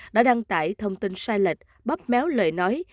đã đăng tải thông tin sai lệch bắp méo lời nói